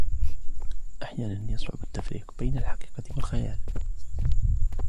أحيانا ، يصعب التفريق بين الحقيقة و الخيال.